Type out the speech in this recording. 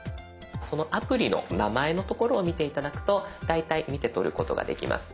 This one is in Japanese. そのアプリの名前のところを見て頂くと大体見てとることができます。